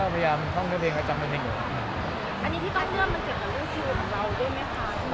อันนี้ที่ต้องเล่นมันเกี่ยวกับลูกศีลของเราได้ไหมครับ